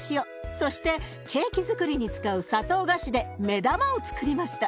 そしてケーキづくりに使う砂糖菓子で目玉をつくりました。